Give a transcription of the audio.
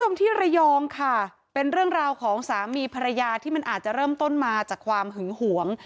คุณผู้ชมที่ระยองค่ะเป็นเรื่องราวของสามีภรรยาที่มันอาจจะเริ่มต้นมาจากความหึงหวง